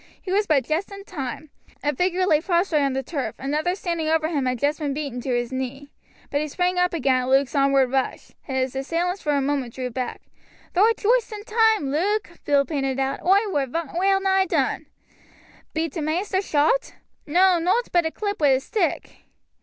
He was but just in time. A figure lay prostrate on the turf; another standing over him had just been beaten to his knee. But he sprang up again at Luke's onward rush. His assailants for a moment drew back. "Thou'rt joist in toime, Luke," Bill panted out. "Oi war well nigh done." "Be t' maister shot?" "No, nowt but a clip wi' a stick."